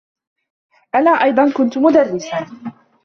أنا أيضا كنت مدرّسا.